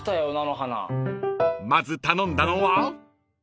［まず頼んだのは？］